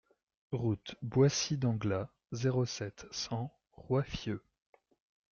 Route Boissy d'Anglas, zéro sept, cent Roiffieux